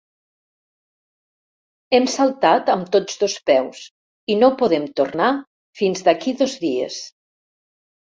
Hem saltat amb tots dos peus i no podem tornar fins d'aquí dos dies.